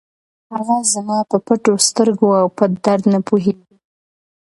هغه زما په پټو سترګو او پټ درد نه پوهېږي.